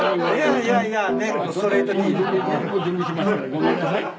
ごめんなさい。